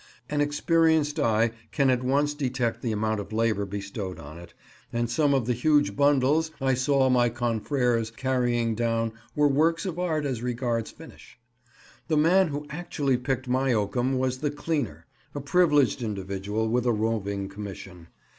An experienced eye can at once detect the amount of labour bestowed on it, and some of the huge bundles I saw my confrères carrying down were works of art as regards finish. The man who actually picked my oakum was the "cleaner," a privileged individual with a roving commission.